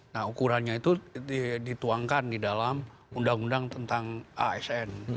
nah ukurannya itu dituangkan di dalam undang undang tentang asn